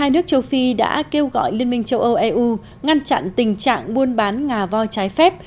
hai nước châu phi đã kêu gọi liên minh châu âu eu ngăn chặn tình trạng buôn bán ngà voi trái phép